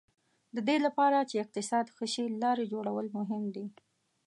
د دې لپاره چې اقتصاد ښه شي لارې جوړول مهم دي.